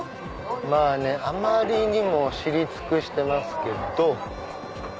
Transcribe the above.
あまりにも知り尽くしてますけど。